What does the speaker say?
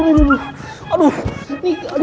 aduh ini aduh ini jangan